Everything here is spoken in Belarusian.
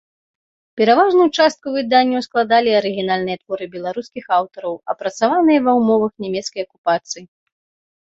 Пераважную частку выданняў складалі арыгінальныя творы беларускіх аўтараў, апрацаваныя ва ўмовах нямецкай акупацыі.